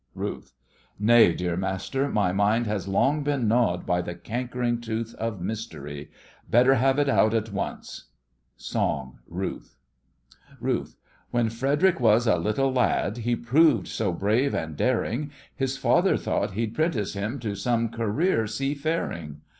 RUTH: Nay, dear master, my mind has long been gnawed by the cankering tooth of mystery. Better have it out at once. SONG — RUTH RUTH: When Frederic was a little lad he proved so brave and daring, His father thought he'd 'prentice him to some career seafaring.